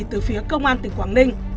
từ phía công an tỉnh quảng ninh